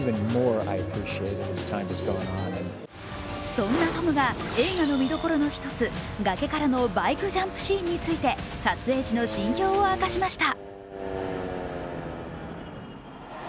そんなトムが映画の見どころの１つ、崖からのバイクジャンプシーンについて撮影時の心境を明かしました。